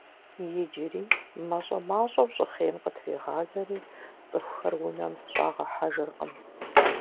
Иджыри мащӏэ-мащӏэу щӏыхъейм къытрегъазэри, цӀыхухэр унэм щӀагъэхьэжыркъым.